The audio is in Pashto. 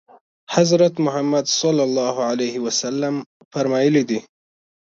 حضرت محمد صلی الله علیه وسلم فرمایلي دي.